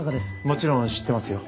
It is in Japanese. もちろん知ってますよ。